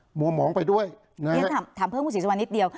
หมองหมองไปด้วยนะฮะถามเพิ่มคุณศิษย์จัวร์นิดเดียว